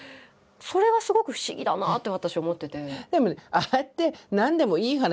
それがすごく不思議だなって私思ってて。